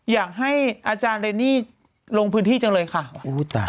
อยากให้อาจารย์เรนนี่ลงพื้นที่จังเลยค่ะ